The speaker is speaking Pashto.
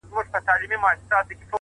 نیکه وینا درانه زړونه نرموي’